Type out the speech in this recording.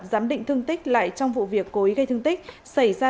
giám định thương tích lại trong vụ việc cố ý gây thương tích xảy ra